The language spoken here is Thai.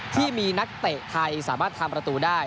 ที่มีนักเตะไทยสามารถทำประตูได้